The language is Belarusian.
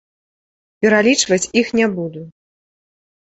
Пералічваць іх не буду.